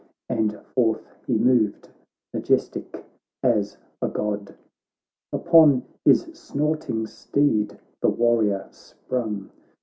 And forth he moved, majestic as a God ! Upon his snorting steed the warrior sprung.